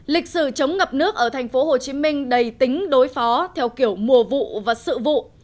lịch sử chống ngập nước ở tp hcm đầy tính đối phó theo kiểu mùa vụ và sự vụ